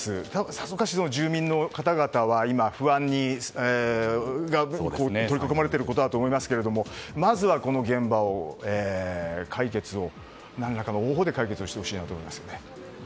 さぞかし住民の方々は不安に取り囲まれていることだと思いますけれどもまずは、この現場を何らかの方法で解決してほしいと思います。